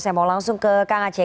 saya mau langsung ke kang aceh